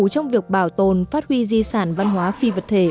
trong việc bảo tồn phát huy di sản văn hóa phi vật thể